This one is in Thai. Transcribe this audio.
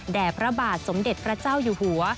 พระบาทสมเด็จพระเจ้าอยู่หัว